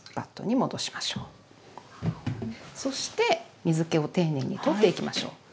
そして水けを丁寧に取っていきましょう。